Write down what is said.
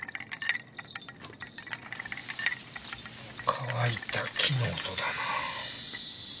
乾いた木の音だな。